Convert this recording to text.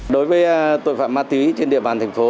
đối với tội phạm ma túy trên địa bàn tp